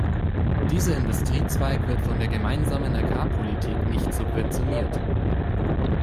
Dieser Industriezweig wird von der Gemeinsamen Agrarpolitik nicht subventioniert.